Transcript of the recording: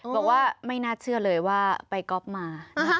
บอกว่าไม่น่าเชื่อเลยว่าไปก๊อฟมา